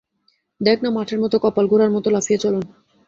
দেখ না মাঠের মতো কপাল, ঘোড়ার মতন লাফিয়ে চলন!